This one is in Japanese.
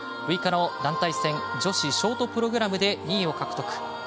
６日の団体戦女子ショートプログラムで２位を獲得。